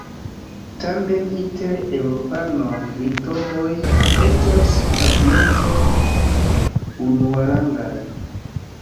Tamen inter eŭropanoj litovoj estas patriotoj unuarangaj.